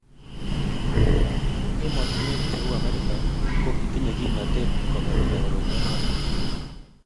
emotinwek cheuu Amerika ko kitinye kimnatet kukerta koroito noto